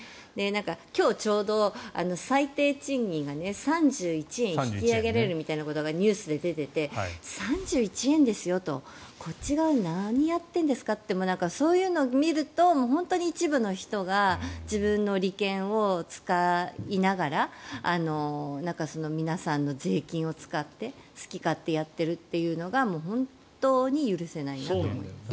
今日、ちょうど最低賃金が３１円引き上げられるみたいなことがニュースに出ていて３１円ですよと、こっち側何をやっているんですかというそういうのを見ると本当に一部の人が自分の利権を使いながら皆さんの税金を使って好き勝手やっているというのが本当に許せないなと思います。